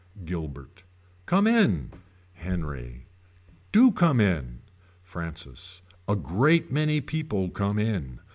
Gilbert. Come in. Henry. Do come in. Francis. A great many people come in.